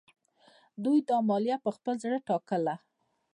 دوی دا مالیه په خپل زړه ټاکله.